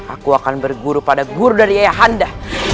aku akan berguru pada guru dari ayahanda